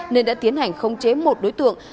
nên đã tiến hành không chế một đối tượng